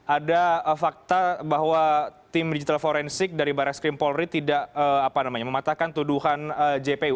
ada fakta bahwa tim digital forensik dari barat skrim polri tidak mematahkan tuduhan jpu